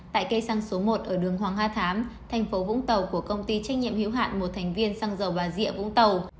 tại cây xăng số một ở đường hoàng ha thám tp vũng tàu của công ty trách nhiệm hiếu hạn một thành viên xăng dầu và rịa vũng tàu